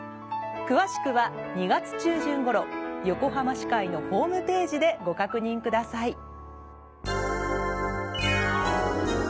詳しくは２月中旬ごろ横浜市会のホームページでご確認ください。